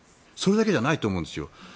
それだけじゃないと思うんですよ。